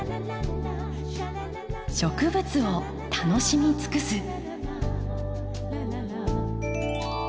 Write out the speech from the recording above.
植物を楽しみつくす。